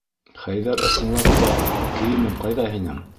Хәйҙәр, ысынлап та, кейемең ҡайҙа һинең?